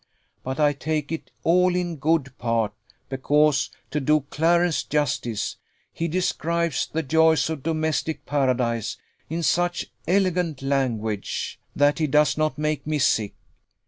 But I take it all in good part, because, to do Clarence justice, he describes the joys of domestic Paradise in such elegant language, that he does not make me sick.